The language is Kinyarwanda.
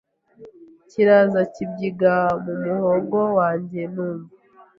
kiraza kibyiga mu muhogo wanjye numva